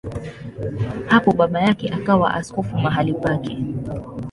Hapo baba yake akawa askofu mahali pake.